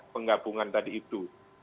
penggabungan tadi itu